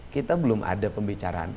kita belum ada pembicaraan